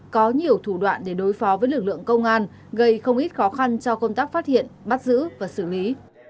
có nhiều thủ đoạn để đối phó với lực lượng công an gây không ít khó khăn cho công tác phát hiện bắt giữ và xử lý